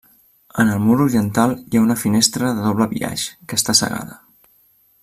En el mur oriental hi ha una finestra de doble biaix que està cegada.